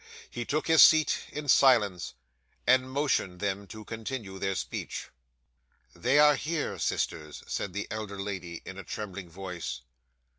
He took his seat in silence, and motioned them to continue their speech. '"They are here, sisters," said the elder lady in a trembling voice.